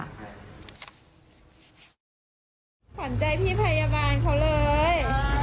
ขออนุญาตให้พี่พยาบาลเขาเลย